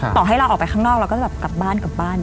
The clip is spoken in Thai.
ต่อให้เราออกไปข้างนอกเราก็กลับบ้าน